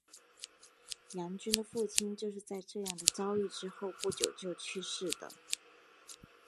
杨君的父亲就是在这样的遭遇之后不久就去世的。